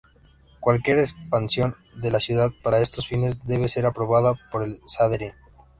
Cualquier expansión de la ciudad para estos fines debe ser aprobada por el Sanedrín.